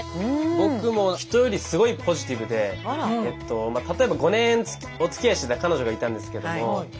僕も人よりすごいポジティブで例えば５年おつきあいしてた彼女がいたんですけども振られたんですよ。